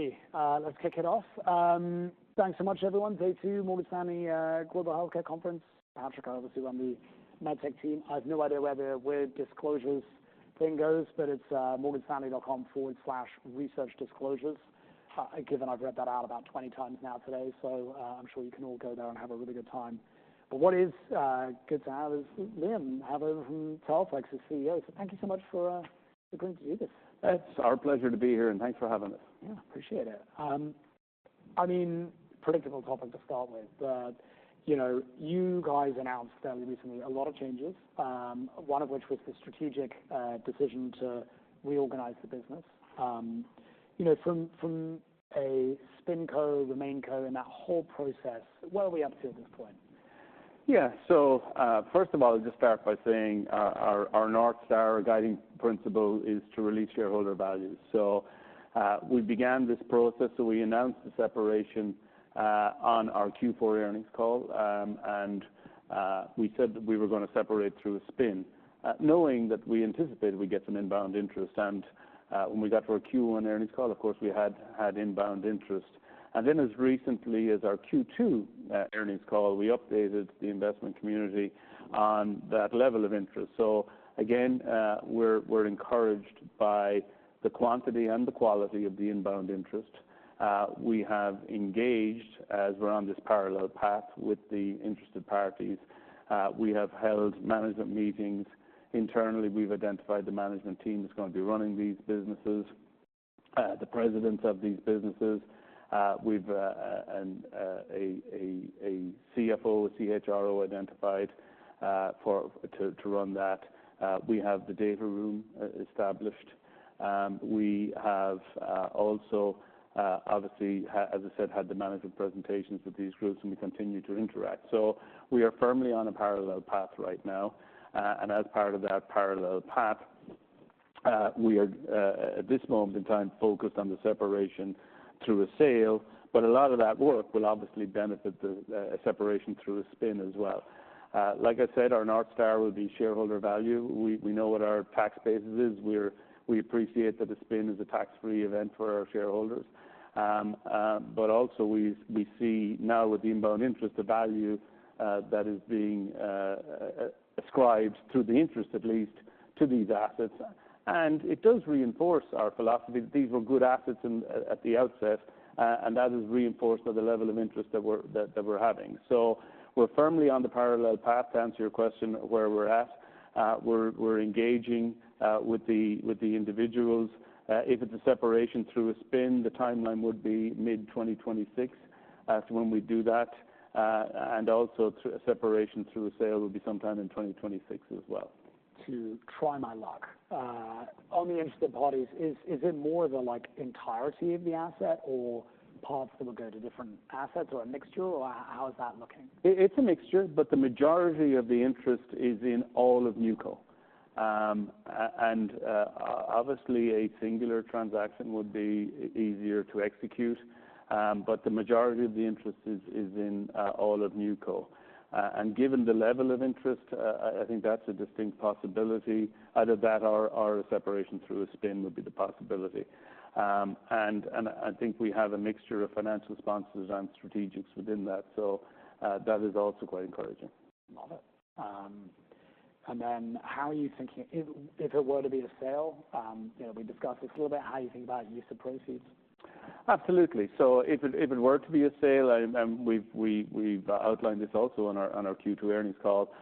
Okay, let's kick it off. Thanks so much, everyone. Day two of Morgan Stanley Global Healthcare Conference. I'm Patrick. I obviously run the medtech team. I have no idea where the weird disclosures thing goes, but it's morganstanley.com/researchdisclosures. Given I've read that out about 20x now today, so I'm sure you can all go there and have a really good time. But what's good to have is Liam here over from Teleflex, he's CEO. So thank you so much for agreeing to do this. It's our pleasure to be here, and thanks for having us. Yeah, appreciate it. I mean, predictable topic to start with, but, you know, you guys announced fairly recently a lot of changes, one of which was the strategic decision to reorganize the business. You know, from a SpinCo, RemainCo, and that whole process, where are we up to at this point? Yeah, first of all, just start by saying our North Star or guiding principle is to release shareholder values. We began this process. We announced the separation on our Q4 earnings call, and we said that we were gonna separate through a spin, knowing that we anticipated we'd get some inbound interest. When we got to our Q1 earnings call, of course, we had inbound interest. Then as recently as our Q2 earnings call, we updated the investment community on that level of interest. We're encouraged by the quantity and the quality of the inbound interest. We have engaged as we're on this parallel path with the interested parties. We have held management meetings internally. We've identified the management team that's gonna be running these businesses, the presidents of these businesses. We've identified a CFO, CHRO to run that. We have the data room established. We have also, obviously, as I said, had the management presentations with these groups, and we continue to interact, so we are firmly on a parallel path right now, and as part of that parallel path, we are at this moment in time focused on the separation through a sale, but a lot of that work will obviously benefit the separation through a spin as well. Like I said, our North Star will be shareholder value. We know what our tax basis is. We appreciate that a spin is a tax-free event for our shareholders, but also we see now with the inbound interest, the value that is being ascribed to the interest at least to these assets. And it does reinforce our philosophy that these were good assets in, at the outset, and that is reinforced at the level of interest that we're having. So we're firmly on the parallel path to answer your question where we're at. We're engaging with the individuals. If it's a separation through a spin, the timeline would be mid-2026 as to when we do that. And also through a separation through a sale would be sometime in 2026 as well. To try my luck on the interested parties, is it more of the, like, entirety of the asset or parts that would go to different assets or a mixture, or how is that looking? It's a mixture, but the majority of the interest is in all of NewCo, and obviously, a singular transaction would be easier to execute. But the majority of the interest is in all of NewCo, and given the level of interest, I think that's a distinct possibility. Either that or a separation through a spin would be the possibility, and I think we have a mixture of financial sponsors and strategics within that. So, that is also quite encouraging. Love it, and then how are you thinking if, if it were to be a sale? You know, we discussed this a little bit. How do you think about use of proceeds? Absolutely. So if it were to be a sale, and we've outlined this also on our Q2 earnings call,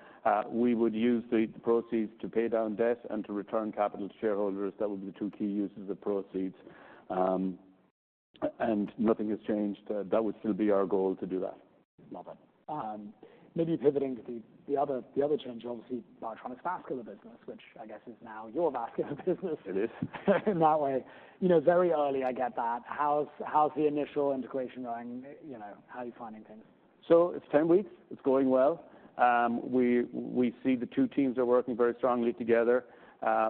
we would use the proceeds to pay down debts and to return capital to shareholders. That would be the two key uses of proceeds, and nothing has changed. That would still be our goal to do that. Love it. Maybe pivoting to the other change, obviously, the interventional vascular business, which I guess is now your vascular business. It is. In that way. You know, very early, I get that. How's, how's the initial integration going? You know, how are you finding things? It's 10 weeks. It's going well. We see the two teams are working very strongly together.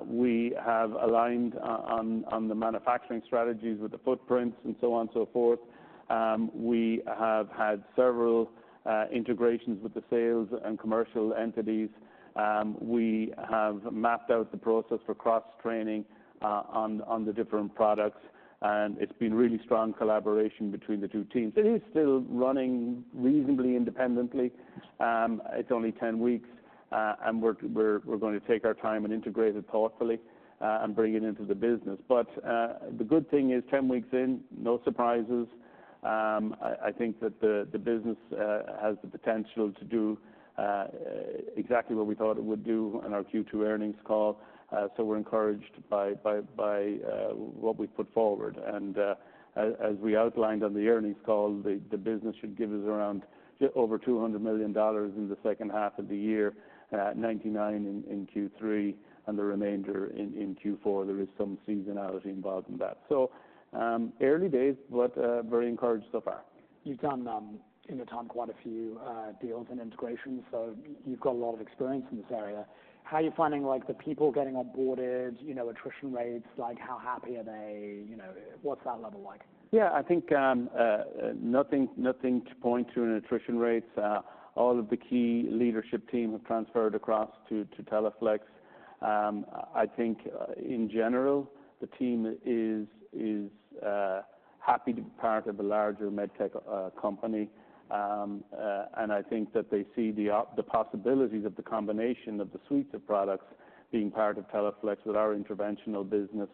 We have aligned on the manufacturing strategies with the footprints and so on and so forth. We have had several integrations with the sales and commercial entities. We have mapped out the process for cross-training on the different products. It's been really strong collaboration between the two teams. It is still running reasonably independently. It's only 10 weeks, and we're going to take our time and integrate it thoughtfully, and bring it into the business. The good thing is 10 weeks in, no surprises. I think that the business has the potential to do exactly what we thought it would do on our Q2 earnings call. We're encouraged by what we've put forward. As we outlined on the earnings call, the business should give us just over $200 million in the second half of the year, $99 million in Q3, and the remainder in Q4. There is some seasonality involved in that. Early days, but very encouraged so far. You've done in the time quite a few deals and integrations, so you've got a lot of experience in this area. How are you finding, like, the people getting onboarded, you know, attrition rates, like, how happy are they? You know, what's that level like? Yeah, I think nothing to point to in attrition rates. All of the key leadership team have transferred across to Teleflex. I think, in general, the team is happy to be part of a larger medtech company. And I think that they see the opportunities of the combination of the suites of products being part of Teleflex with our interventional business.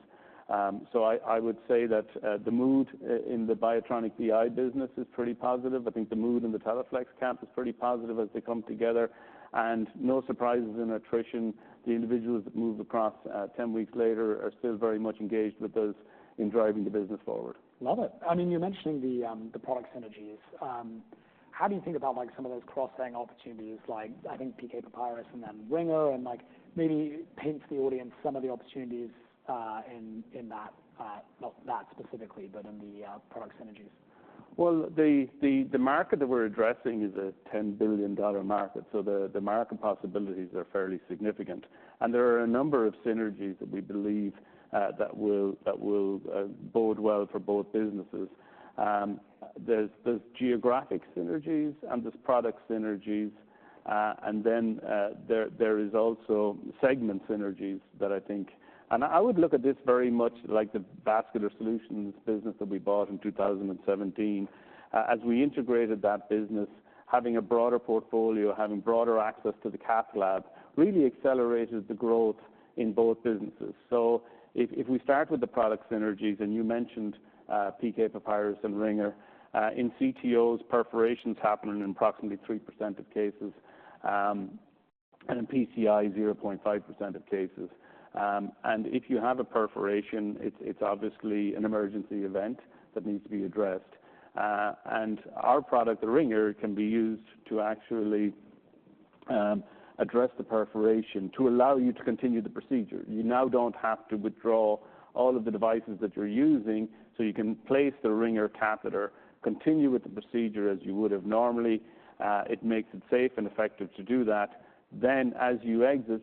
So I would say that the mood in the BIOTRONIK VI business is pretty positive. I think the mood in the Teleflex camp is pretty positive as they come together, and no surprises in attrition. The individuals that move across, 10 weeks later are still very much engaged with those in driving the business forward. Love it. I mean, you're mentioning the product synergies. How do you think about, like, some of those cross-selling opportunities, like, I think, PK Papyrus and then Ringer and, like, maybe paint to the audience some of the opportunities, in that, not that specifically, but in the product synergies? The market that we're addressing is a $10 billion market, so the market possibilities are fairly significant. There are a number of synergies that we believe that will bode well for both businesses. There's geographic synergies and there's product synergies. And then there is also segment synergies that I think I would look at this very much like the vascular solutions business that we bought in 2017. As we integrated that business, having a broader portfolio, having broader access to the cath lab really accelerated the growth in both businesses. If we start with the product synergies, and you mentioned PK Papyrus and Ringer, in CTOs, perforations happen in approximately 3% of cases. And in PCI, 0.5% of cases. And if you have a perforation, it's obviously an emergency event that needs to be addressed. Our product, the Ringer, can be used to actually address the perforation to allow you to continue the procedure. You now don't have to withdraw all of the devices that you're using, so you can place the Ringer catheter, continue with the procedure as you would have normally. It makes it safe and effective to do that. Then as you exit,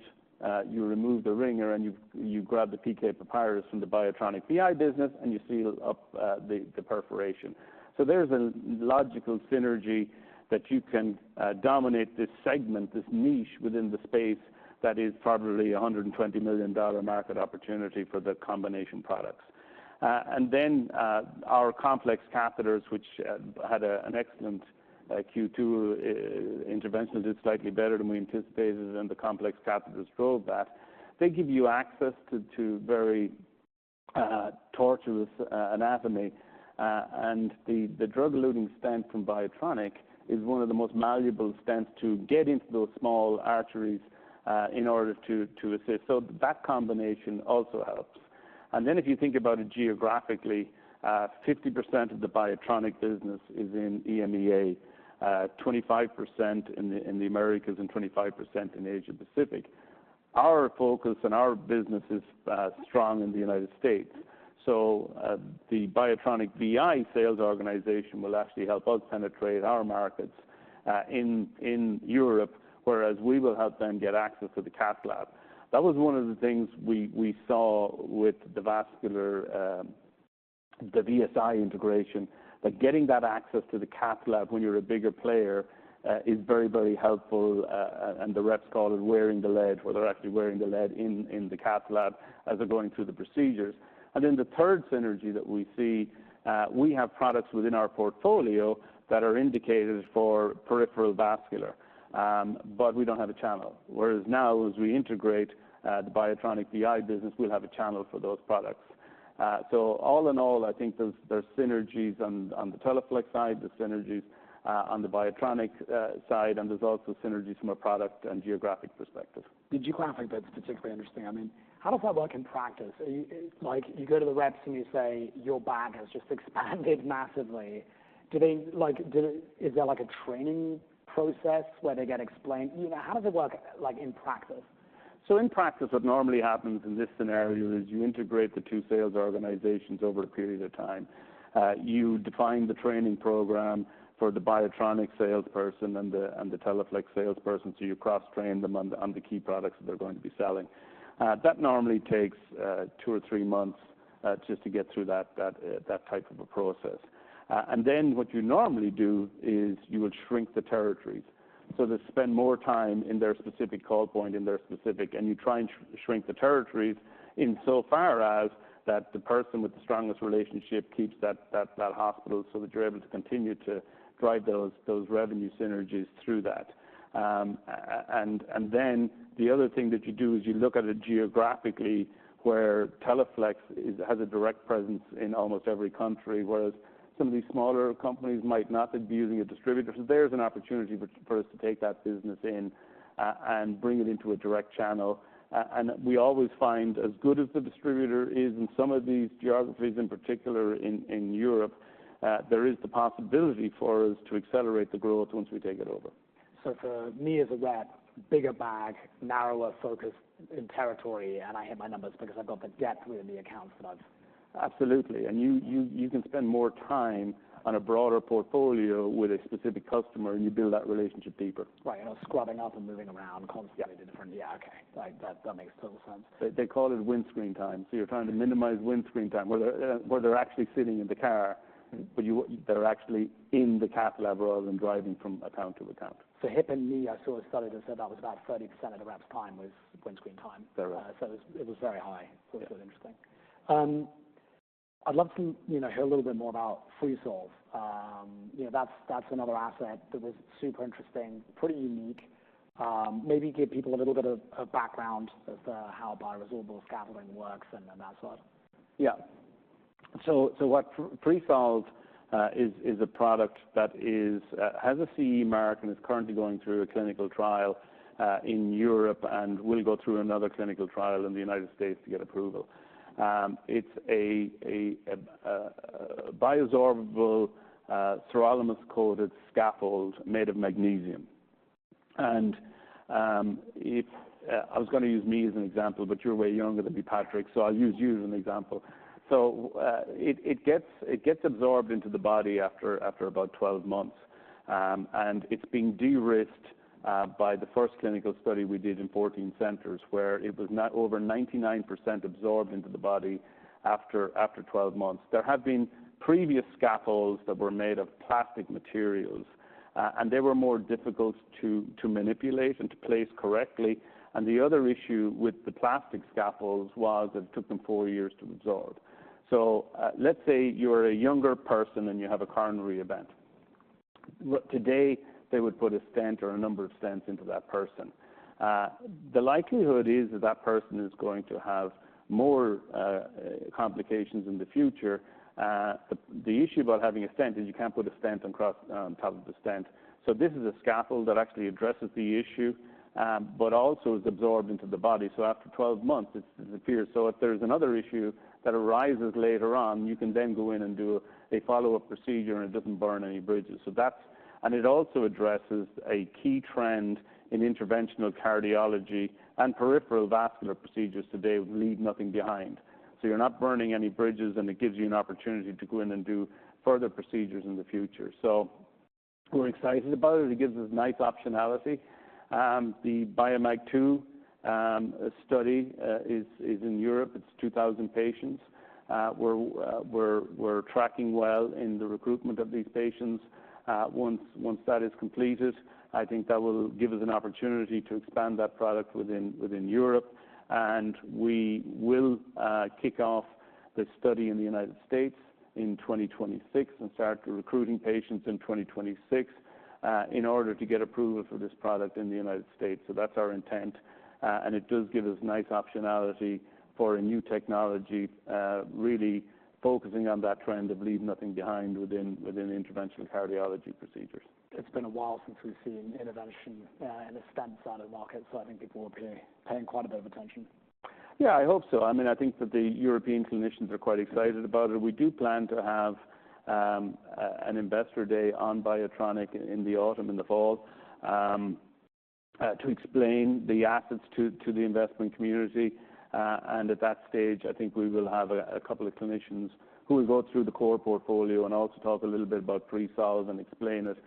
you remove the Ringer and you grab the PK Papyrus from the BIOTRONIK VI business and you seal up the perforation. So there's a logical synergy that you can dominate this segment, this niche within the space that is probably a $120 million market opportunity for the combination products. Our complex catheters, which had an excellent Q2 interventions. It's slightly better than we anticipated, and the complex catheters drove that. They give you access to very tortuous anatomy. and the drug-eluting stent from BIOTRONIK is one of the most malleable stents to get into those small arteries, in order to assist. So that combination also helps. And then if you think about it geographically, 50% of the BIOTRONIK business is in EMEA, 25% in the Americas, and 25% in Asia-Pacific. Our focus and our business is strong in the United States. So, the BIOTRONIK VI sales organization will actually help us penetrate our markets in Europe, whereas we will help them get access to the cath lab. That was one of the things we saw with the vascular, the VSI integration, that getting that access to the cath lab when you're a bigger player is very, very helpful. And the reps call it wearing the lead where they're actually wearing the lead in the cath lab as they're going through the procedures. And then the third synergy that we see, we have products within our portfolio that are indicated for peripheral vascular, but we don't have a channel. Whereas now, as we integrate the BIOTRONIK VI business, we'll have a channel for those products. So all in all, I think there's synergies on the Teleflex side, there's synergies on the BIOTRONIK side, and there's also synergies from a product and geographic perspective. Did you clarify a bit to particularly understand? I mean, how does that work in practice? Like, you go to the reps and you say, "Your bag has just expanded massively." Do they, like, is there, like, a training process where they get explained? You know, how does it work, like, in practice? So in practice, what normally happens in this scenario is you integrate the two sales organizations over a period of time. You define the training program for the BIOTRONIK salesperson and the Teleflex salesperson, so you cross-train them on the key products that they're going to be selling. That normally takes two or three months, just to get through that type of a process. And then what you normally do is you will shrink the territories. So they spend more time in their specific call point, and you try and shrink the territories insofar as that the person with the strongest relationship keeps that hospital so that you're able to continue to drive those revenue synergies through that. And then the other thing that you do is you look at it geographically where Teleflex has a direct presence in almost every country, whereas some of these smaller companies might not be using a distributor. So there's an opportunity for us to take that business in, and bring it into a direct channel. And we always find as good as the distributor is in some of these geographies, in particular in Europe, there is the possibility for us to accelerate the growth once we take it over. So, for me as a rep, bigger bag, narrower focus in territory, and I hit my numbers because I've got the depth within the accounts that I've. Absolutely. And you can spend more time on a broader portfolio with a specific customer and you build that relationship deeper. Right. You're not scrubbing up and moving around constantly to different. Yeah. Yeah, okay. Like, that makes total sense. They call it windscreen time. So you're trying to minimize windscreen time where they're actually sitting in the car. Mm-hmm. But those that are actually in the cath lab rather than driving from account to account. So hip and knee, I saw a study that said that was about 30% of the reps' time was windscreen time. There is. So it was very high. Yeah. So it's really interesting. I'd love to, you know, hear a little bit more about Freesolve. You know, that's another asset that was super interesting, pretty unique. Maybe give people a little bit of background as to how bioresorbable scaffolding works and that sort. Yeah. So what Freesolve is is a product that has a CE mark and is currently going through a clinical trial in Europe and will go through another clinical trial in the United States to get approval. It's a bioresorbable sirolimus-coated scaffold made of magnesium. If I was gonna use me as an example, but you're way younger than me, Patrick, so I'll use you as an example. So it gets absorbed into the body after about 12 months. It's been de-risked by the first clinical study we did in 14 centers where it was now over 99% absorbed into the body after 12 months. There have been previous scaffolds that were made of plastic materials, and they were more difficult to manipulate and to place correctly. And the other issue with the plastic scaffolds was that it took them four years to absorb. So, let's say you're a younger person and you have a coronary event. Today, they would put a stent or a number of stents into that person. The likelihood is that that person is going to have more complications in the future. The issue about having a stent is you can't put a stent across, on top of the stent. So this is a scaffold that actually addresses the issue, but also is absorbed into the body. So after 12 months, it disappears. So if there's another issue that arises later on, you can then go in and do a follow-up procedure and it doesn't burn any bridges. So that's and it also addresses a key trend in interventional cardiology and peripheral vascular procedures today with leave nothing behind. So you're not burning any bridges and it gives you an opportunity to go in and do further procedures in the future. So we're excited about it. It gives us nice optionality. The BIOMAG-II study is in Europe. It's 2,000 patients. We're tracking well in the recruitment of these patients. Once that is completed, I think that will give us an opportunity to expand that product within Europe, and we will kick off the study in the United States in 2026 and start recruiting patients in 2026, in order to get approval for this product in the United States. So that's our intent, and it does give us nice optionality for a new technology, really focusing on that trend of leave nothing behind within interventional cardiology procedures. It's been a while since we've seen interventional, in the stent side of the market, so I think people will be paying quite a bit of attention. Yeah, I hope so. I mean, I think that the European clinicians are quite excited about it. We do plan to have an Investor Day on BIOTRONIK in the autumn, in the fall, to explain the assets to the investment community, and at that stage, I think we will have a couple of clinicians who will go through the core portfolio and also talk a little bit about Freesolve and explain it,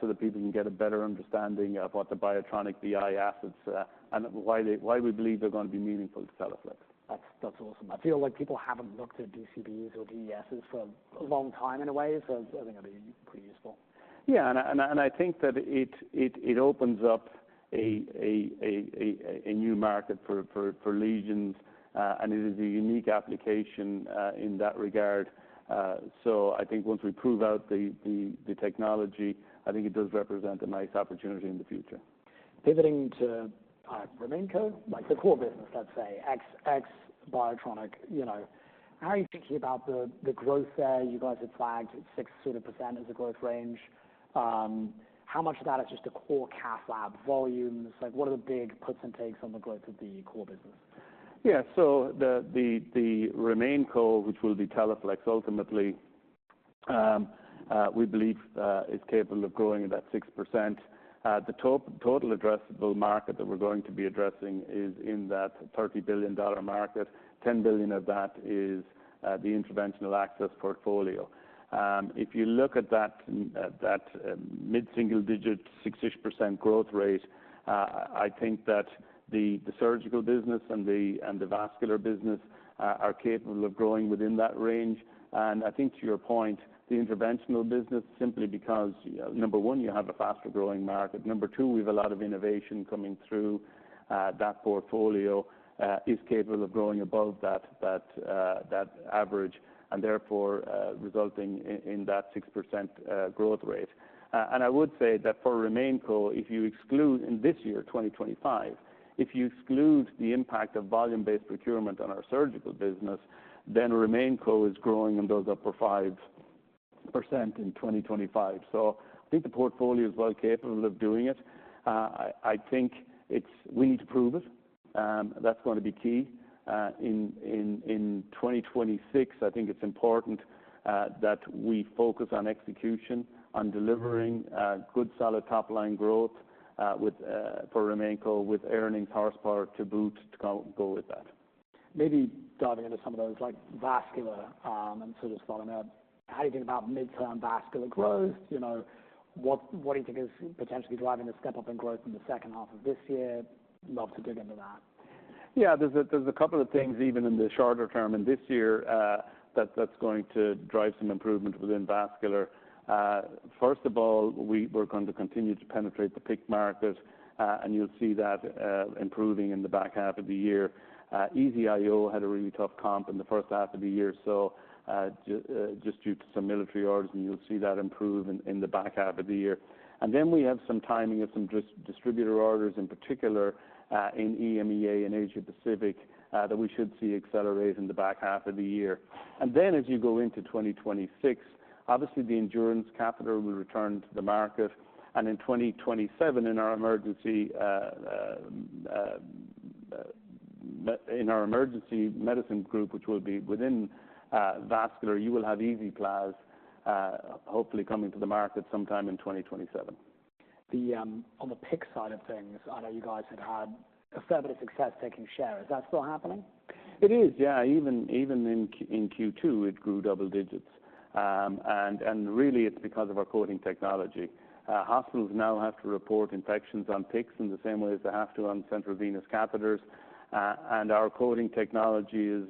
so that people can get a better understanding of what the BIOTRONIK VI assets and why we believe they're gonna be meaningful to Teleflex. That's, that's awesome. I feel like people haven't looked at DCBs or DESs for a long time in a way, so I think it'll be pretty useful. Yeah, and I think that it opens up a new market for lesions, and it is a unique application in that regard, so I think once we prove out the technology, I think it does represent a nice opportunity in the future. Pivoting to RemainCo, like the core business, let's say, ex BIOTRONIK, you know, how are you thinking about the growth there? You guys have flagged 6% sort of as a growth range. How much of that is just core cath lab volumes? Like, what are the big puts and takes on the growth of the core business? Yeah. So the RemainCo, which will be Teleflex ultimately, we believe, is capable of growing at that 6%. The total addressable market that we're going to be addressing is in that $30 billion market. $10 billion of that is the interventional access portfolio. If you look at that mid-single-digit 6-ish% growth rate, I think that the surgical business and the vascular business are capable of growing within that range. And I think to your point, the interventional business simply because, you know, number one, you have a faster growing market. Number two, we have a lot of innovation coming through that portfolio, is capable of growing above that average and therefore resulting in that 6% growth rate. And I would say that for RemainCo, if you exclude in this year, 2025, if you exclude the impact of volume-based procurement on our surgical business, then RemainCo is growing in those upper 5% in 2025. So I think the portfolio is well capable of doing it. I think it's. We need to prove it. That's gonna be key. In 2026, I think it's important that we focus on execution, on delivering good solid top-line growth, with for RemainCo with earnings horsepower to boot, too, can go with that. Maybe diving into some of those, like, vascular, and sort of following up, how do you think about midterm vascular growth? You know, what, what do you think is potentially driving the step-up in growth in the second half of this year? Love to dig into that. Yeah. There's a couple of things even in the shorter term in this year, that's going to drive some improvement within vascular. First of all, we're going to continue to penetrate the PICC market, and you'll see that improving in the back half of the year. EZ-IO had a really tough comp in the first half of the year, so just due to some military orders, and you'll see that improve in the back half of the year. And then we have some timing of some distributor orders in particular, in EMEA and Asia-Pacific, that we should see accelerate in the back half of the year. And then as you go into 2026, obviously the Endurance catheter will return to the market. In 2027, in our emergency medicine group, which will be within vascular, you will have EZ-PLAZ, hopefully coming to the market sometime in 2027. On the PICC side of things, I know you guys had had a fair bit of success taking share. Is that still happening? It is. Yeah. Even in Q2, it grew double digits. And really, it's because of our coating technology. Hospitals now have to report infections on PICCs in the same way as they have to on central venous catheters. And our coating technology is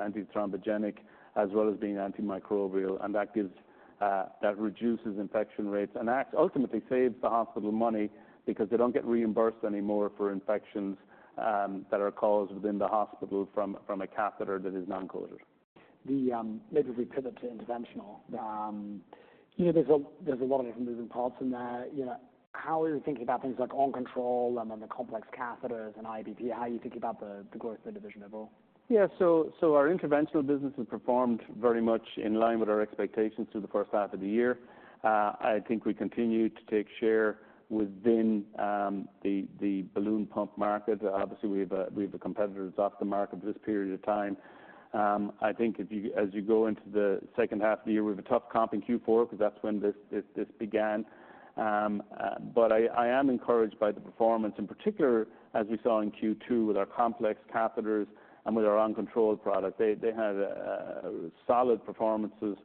antithrombogenic as well as being antimicrobial, and that reduces infection rates and ultimately saves the hospital money because they don't get reimbursed anymore for infections that are caused within the hospital from a catheter that is non-coated. Maybe we pivot to interventional. Yeah. You know, there's a lot of different moving parts in there. You know, how are you thinking about things like OnControl and then the complex catheters and IBP? How are you thinking about the growth of the division overall? Yeah. So our interventional business has performed very much in line with our expectations through the first half of the year. I think we continue to take share within the balloon pump market. Obviously we have a competitor that's off the market for this period of time. I think as you go into the second half of the year, we have a tough comp in Q4 'cause that's when this began. I am encouraged by the performance, in particular as we saw in Q2 with our complex catheters and with our OnControl product. They had solid performances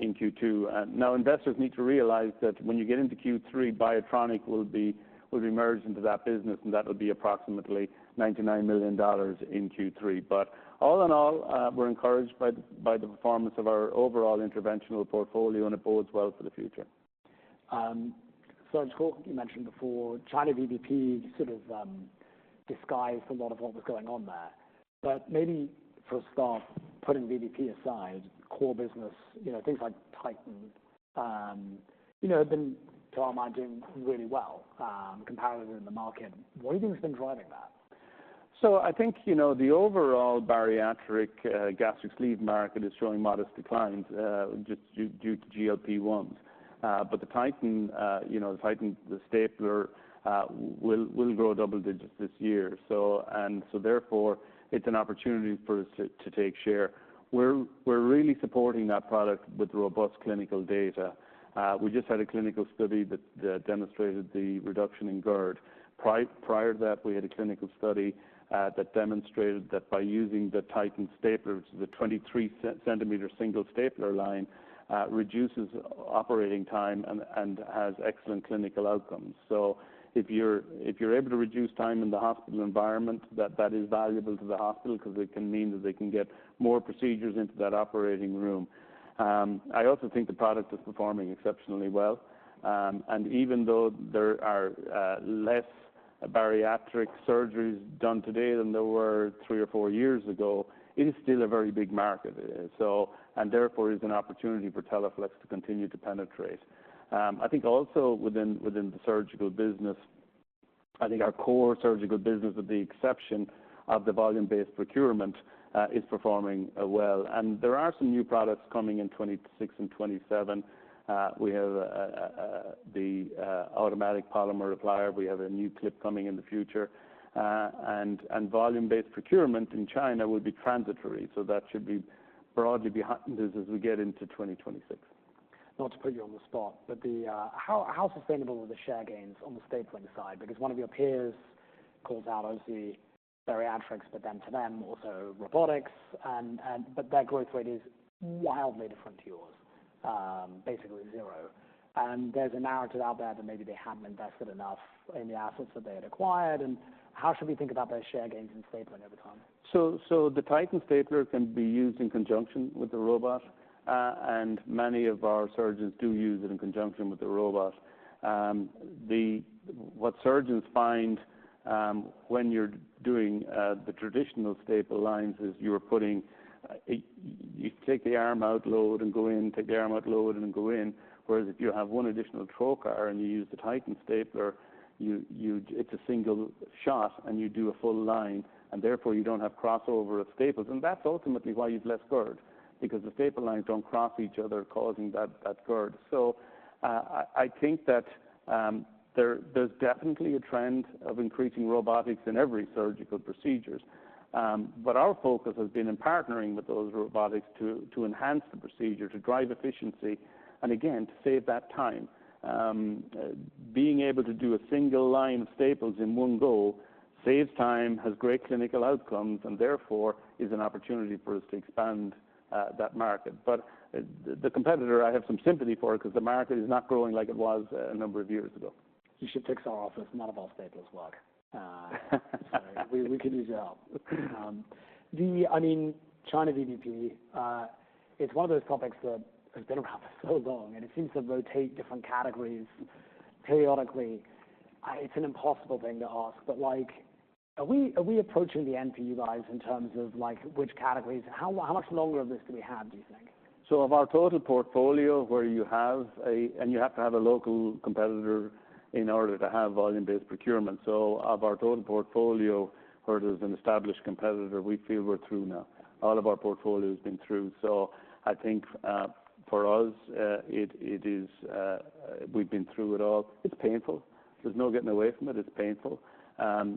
in Q2. Now investors need to realize that when you get into Q3, BIOTRONIK will be merged into that business and that'll be approximately $99 million in Q3. But all in all, we're encouraged by the performance of our overall interventional portfolio and it bodes well for the future. So I just caught you mentioned before China VBP sort of disguised a lot of what was going on there. But maybe for a start, putting VBP aside, core business, you know, things like Titan, you know, have been, to our mind, doing really well, comparatively with the market. What do you think has been driving that? So I think, you know, the overall bariatric, gastric sleeve market is showing modest declines, just due to GLP-1s. But the Titan, you know, the Titan stapler, will grow double digits this year. So and so therefore it's an opportunity for us to take share. We're really supporting that product with robust clinical data. We just had a clinical study that demonstrated the reduction in GERD. Prior to that, we had a clinical study that demonstrated that by using the Titan stapler, which is a 23-centimeter single stapler line, reduces operating time and has excellent clinical outcomes. So if you're able to reduce time in the hospital environment, that is valuable to the hospital 'cause it can mean that they can get more procedures into that operating room. I also think the product is performing exceptionally well. Even though there are less bariatric surgeries done today than there were three or four years ago, it is still a very big market. So and therefore it is an opportunity for Teleflex to continue to penetrate. I think also within the surgical business, I think our core surgical business, with the exception of the volume-based procurement, is performing well. There are some new products coming in 2026 and 2027. We have the automatic polymer applier. We have a new clip coming in the future, and volume-based procurement in China will be transitory. That should be broadly behind us as we get into 2026. Not to put you on the spot, but how sustainable are the share gains on the stapling side? Because one of your peers calls out obviously bariatrics, but then to them also robotics and but their growth rate is wildly different to yours, basically zero. And there's a narrative out there that maybe they hadn't invested enough in the assets that they had acquired. And how should we think about their share gains in stapling over time? So the Titan stapler can be used in conjunction with the robot. And many of our surgeons do use it in conjunction with the robot. What surgeons find when you're doing the traditional staple lines is you take the arm out, load and go in, take the arm out, load and go in. Whereas if you have one additional trocar and you use the Titan stapler, it's a single shot and you do a full line. And therefore you don't have crossover of staples. And that's ultimately why you have less GERD because the staple lines don't cross each other causing that GERD. I think that there's definitely a trend of increasing robotics in every surgical procedures. But our focus has been in partnering with those robotics to enhance the procedure, to drive efficiency, and again, to save that time. Being able to do a single line of staples in one go saves time, has great clinical outcomes, and therefore is an opportunity for us to expand that market. But the competitor, I have some sympathy for 'cause the market is not growing like it was a number of years ago. You should fix our office. None of our staples work, so we could use your help. I mean, China VBP, it's one of those topics that has been around for so long, and it seems to rotate different categories periodically. It's an impossible thing to ask, but like, are we approaching the end for you guys in terms of like which categories? How much longer of this do we have, do you think? So of our total portfolio where you have a, and you have to have a local competitor in order to have volume-based procurement. So of our total portfolio, where there's an established competitor, we feel we're through now. All of our portfolio has been through. So I think, for us, it is, we've been through it all. It's painful. There's no getting away from it. It's painful.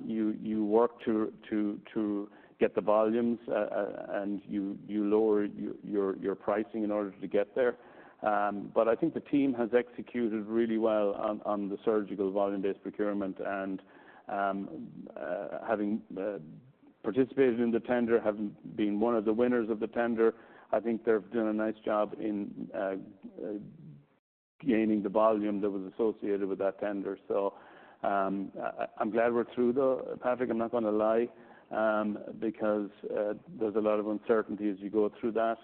You work to get the volumes, and you lower your pricing in order to get there. But I think the team has executed really well on the surgical volume-based procurement. And having participated in the tender, having been one of the winners of the tender, I think they've done a nice job in gaining the volume that was associated with that tender. So I'm glad we're through though, Patrick. I'm not gonna lie, because there's a lot of uncertainty as you go through that.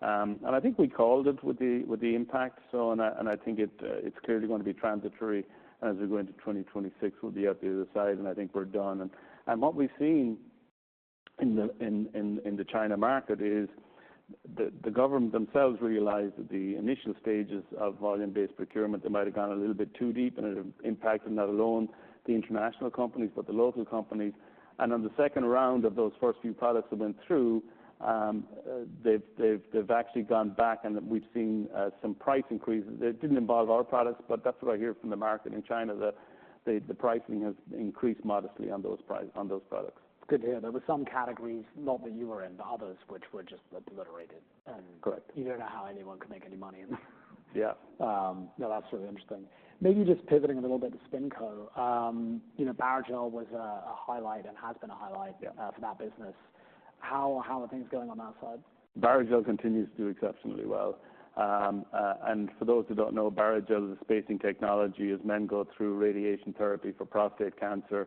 I think we called it with the impact. I think it's clearly gonna be transitory. As we go into 2026, we'll be up the other side, and I think we're done. What we've seen in the China market is the government themselves realized that the initial stages of volume-based procurement might have gone a little bit too deep and it impacted not only the international companies, but the local companies. On the second round of those first few products that went through, they've actually gone back and we've seen some price increases. It didn't involve our products, but that's what I hear from the market in China, that the pricing has increased modestly on those products. Good to hear. There were some categories, not that you were in, but others which were just obliterated. And. Correct. You don't know how anyone could make any money in them. Yeah. No, that's really interesting. Maybe just pivoting a little bit to SpinCo. You know, Barrigel was a highlight and has been a highlight. Yeah. for that business. How are things going on that side? Barrigel continues to do exceptionally well, and for those who don't know, Barrigel is a spacing technology. As men go through radiation therapy for prostate cancer,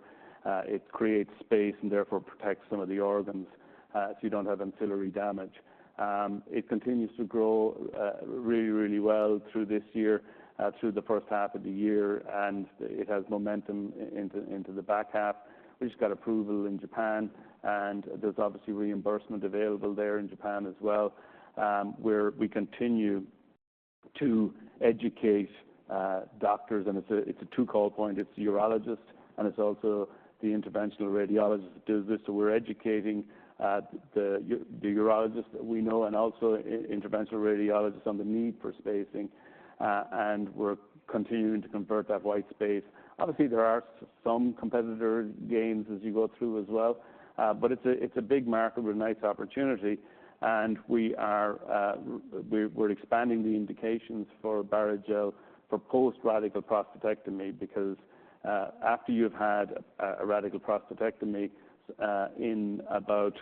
it creates space and therefore protects some of the organs, so you don't have ancillary damage. It continues to grow, really, really well through this year, through the first half of the year. It has momentum into the back half. We just got approval in Japan, and there's obviously reimbursement available there in Japan as well, where we continue to educate doctors. It's a two-call point. It's the urologist and it's also the interventional radiologist that does this. So we're educating the urologist that we know and also interventional radiologists on the need for spacing, and we're continuing to convert that white space. Obviously, there are some competitor gains as you go through as well. It's a big market with a nice opportunity. We are expanding the indications for Barrigel for post-radical prostatectomy because, after you've had a radical prostatectomy, in about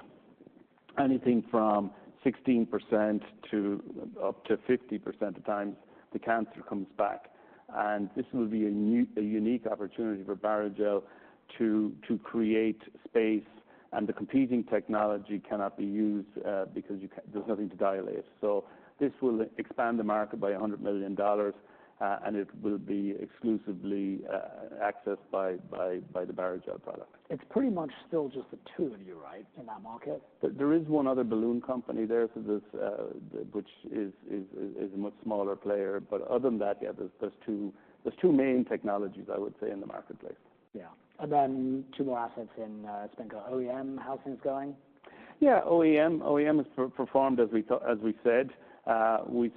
anything from 16% to up to 50% of times, the cancer comes back. This will be a new unique opportunity for Barrigel to create space. The competing technology cannot be used, because you see there's nothing to dilate. This will expand the market by $100 million, and it will be exclusively accessed by the Barrigel product. It's pretty much still just the two of you, right, in that market? There is one other balloon company there, so which is a much smaller player. But other than that, yeah, there's two main technologies, I would say, in the marketplace. Yeah. And then two more assets in SpinCo. OEM, how's things going? Yeah. OEM has performed as we thought, as we said. We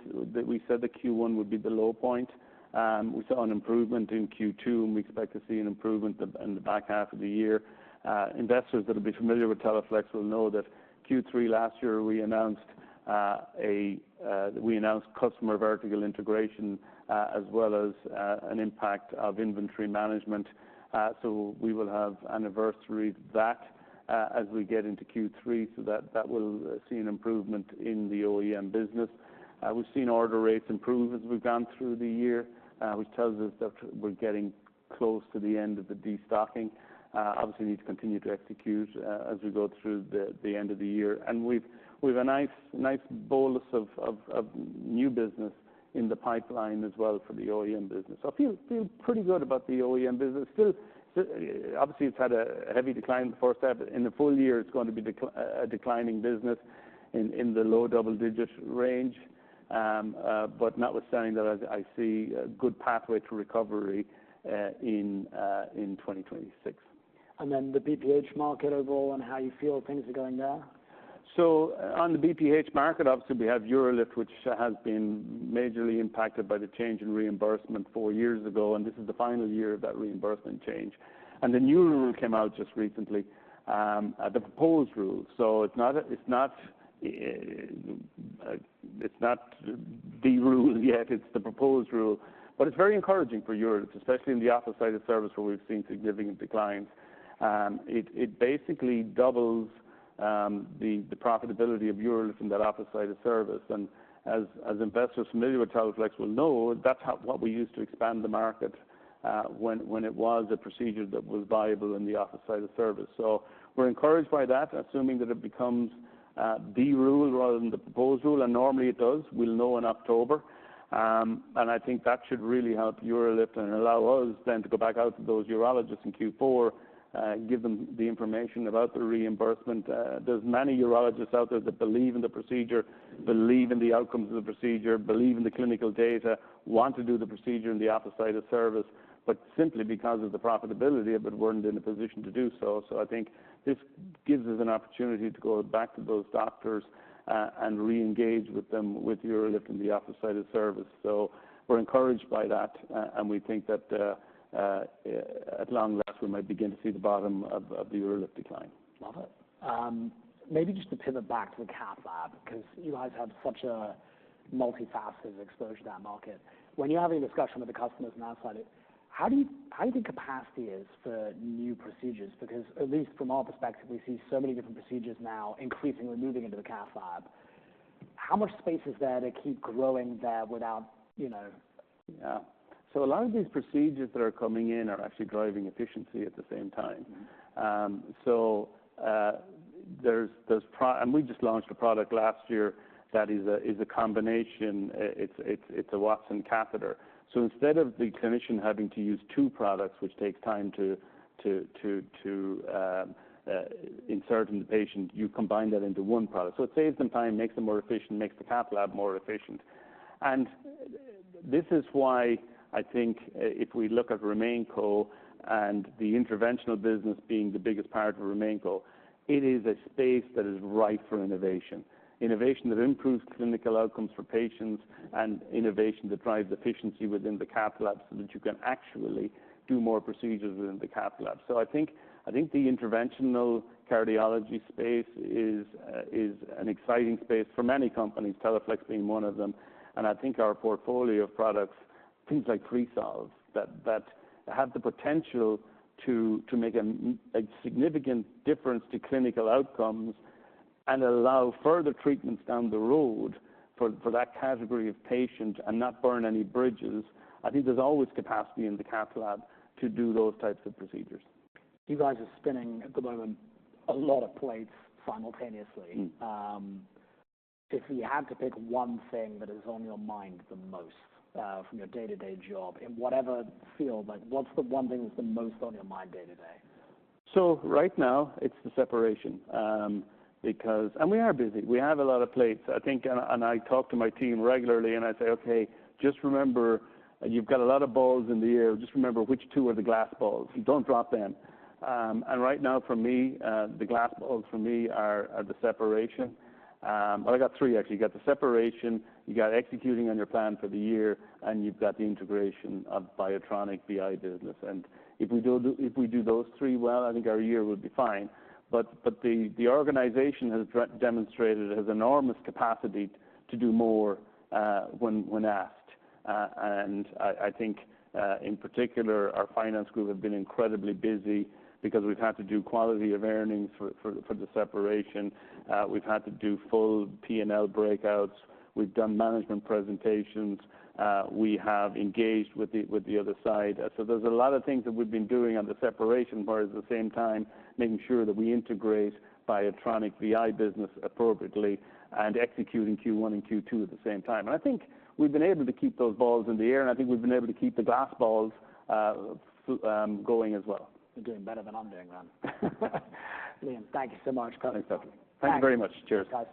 said that Q1 would be the low point. We saw an improvement in Q2 and we expect to see an improvement in the back half of the year. Investors that'll be familiar with Teleflex will know that Q3 last year we announced customer vertical integration, as well as an impact of inventory management, so we will have anniversary of that, as we get into Q3. That will see an improvement in the OEM business. We've seen order rates improve as we've gone through the year, which tells us that we're getting close to the end of the destocking. Obviously need to continue to execute, as we go through the end of the year. We've a nice bolus of new business in the pipeline as well for the OEM business. So I feel pretty good about the OEM business. Still, obviously it's had a heavy decline in the first half, but in the full year it's going to be a declining business in the low double digit range. But notwithstanding that I see a good pathway to recovery in 2026. And then the BPH market overall and how you feel things are going there? So on the BPH market, obviously we have UroLift, which has been majorly impacted by the change in reimbursement four years ago. And this is the final year of that reimbursement change. And the new rule came out just recently, the proposed rule. So it's not the rule yet. It's the proposed rule. But it's very encouraging for UroLift, especially in the office side of service where we've seen significant declines. It basically doubles the profitability of UroLift in that office side of service. And as investors familiar with Teleflex will know, that's how we used to expand the market when it was a procedure that was viable in the office side of service. So we're encouraged by that, assuming that it becomes the rule rather than the proposed rule. And normally it does. We'll know in October. And I think that should really help UroLift and allow us then to go back out to those urologists in Q4, give them the information about the reimbursement. There's many urologists out there that believe in the procedure, believe in the outcomes of the procedure, believe in the clinical data, want to do the procedure in the office side of service, but simply because of the profitability of it, weren't in a position to do so. So I think this gives us an opportunity to go back to those doctors, and re-engage with them, with UroLift in the office side of service. So we're encouraged by that. And we think that, at long last we might begin to see the bottom of the UroLift decline. Love it. Maybe just to pivot back to the cath lab 'cause you guys have such a multifaceted exposure to that market. When you're having a discussion with the customers on that side, how do you, how do you think capacity is for new procedures? Because at least from our perspective, we see so many different procedures now increasingly moving into the cath lab. How much space is there to keep growing there without, you know. Yeah. So a lot of these procedures that are coming in are actually driving efficiency at the same time. Mm-hmm. So there's pro and we just launched a product last year that is a combination. It's a Wattson catheter. So instead of the clinician having to use two products, which takes time to insert in the patient, you combine that into one product. So it saves them time, makes them more efficient, makes the cath lab more efficient. And this is why I think, if we look at RemainCo and the interventional business being the biggest part of RemainCo, it is a space that is ripe for innovation. Innovation that improves clinical outcomes for patients and innovation that drives efficiency within the cath lab so that you can actually do more procedures within the cath lab. So I think the interventional cardiology space is an exciting space for many companies, Teleflex being one of them. I think our portfolio of products, things like Freesolve, that have the potential to make a significant difference to clinical outcomes and allow further treatments down the road for that category of patient and not burn any bridges. I think there's always capacity in the cath lab to do those types of procedures. You guys are spinning at the moment a lot of plates simultaneously. Mm-hmm. If you had to pick one thing that is on your mind the most, from your day-to-day job in whatever field, like what's the one thing that's the most on your mind day-to-day? So right now it's the separation, because, and we are busy. We have a lot of plates. I think, and, and I talk to my team regularly and I say, "Okay, just remember, you've got a lot of balls in the air. Just remember which two are the glass balls. Don't drop them." And right now for me, the glass balls for me are the separation. Well, I got three actually. You got the separation, you got executing on your plan for the year, and you've got the integration of BIOTRONIK VI business. And if we do, if we do those three well, I think our year would be fine. But the organization has demonstrated enormous capacity to do more, when asked. And I think, in particular, our finance group have been incredibly busy because we've had to do quality of earnings for the separation. We've had to do full P&L breakouts. We've done management presentations. We have engaged with the other side. So there's a lot of things that we've been doing on the separation, whereas at the same time making sure that we integrate BIOTRONIK VI business appropriately and executing Q1 and Q2 at the same time. And I think we've been able to keep those balls in the air, and I think we've been able to keep the glass balls going as well. You're doing better than I'm doing then. Liam, thank you so much. Thanks, Patrick. Thank you very much. Cheers. Thanks.